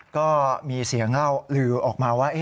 ก็มีเสียงเล่าลือออกมาว่า